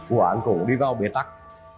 vụ án cũng đi vào bế tắc